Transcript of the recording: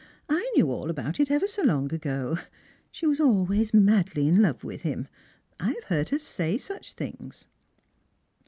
" I knew all about it ever so long ago. She was always madly in love with him. I have heard her say such things